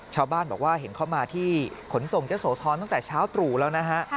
ชาวบ้านบอกว่าเห็นเข้ามาที่ขนส่งยะโสธรตั้งแต่เช้าตรู่แล้วนะฮะ